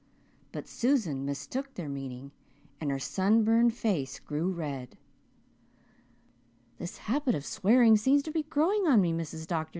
But Susan mistook their meaning and her sun burned face grew red. "This habit of swearing seems to be growing on me, Mrs. Dr.